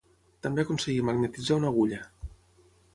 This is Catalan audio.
També aconseguí magnetitzar una agulla.